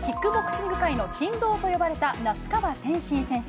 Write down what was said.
キックボクシング界の神童と呼ばれた那須川天心選手。